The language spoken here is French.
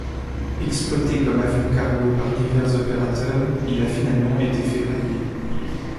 Exploité comme avion-cargo par divers opérateurs, il a finalement été ferraillé.